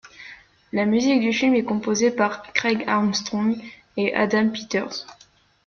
La musique du film est composée par Craig Armstrong et Adam Peters.